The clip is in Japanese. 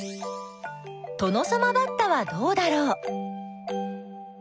トノサマバッタはどうだろう？